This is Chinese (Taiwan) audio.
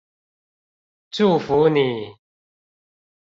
祝福你